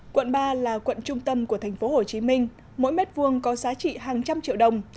quận ba là quận trung tâm của thành phố hồ chí minh mỗi mét vuông có giá trị hàng trăm triệu đồng